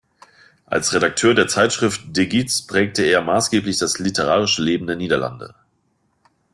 Als Redakteur der Zeitschrift De Gids prägte er maßgeblich das literarische Leben der Niederlande.